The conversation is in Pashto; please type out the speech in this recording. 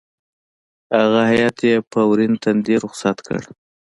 هغه هېئت یې په ورین تندي رخصت کړ.